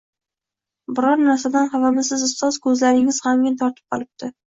-Biror narsadan hafamisiz, ustoz? Ko’zlaringiz g’amgin tortib qolibdi.